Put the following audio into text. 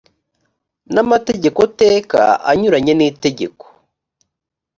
n amategeko teka anyuranye n itegeko